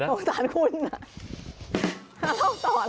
โอ้โฮโสงสารเนอะโสงสารคุณ